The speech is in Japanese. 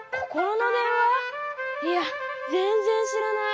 いやぜんぜんしらない。